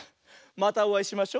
またおあいしましょ。